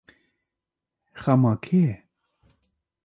Xema kê ye?